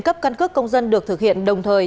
cấp căn cước công dân được thực hiện đồng thời